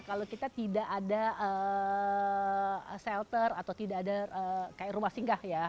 kalau kita tidak ada shelter atau tidak ada kayak rumah singgah ya